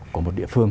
của một địa phương